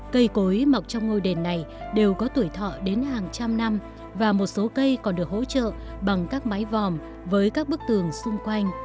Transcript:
cây cối mọc trong ngôi đền này đều có tuổi thọ đến hàng trăm năm và một số cây còn được hỗ trợ bằng các mái vòm với các bức tường xung quanh